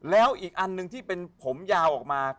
แล้วอีกอันหนึ่งที่เป็นผมยาวออกมา